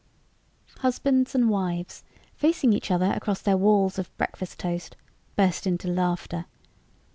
Husbands and wives, facing each other across their walls of breakfast toast, burst into laughter.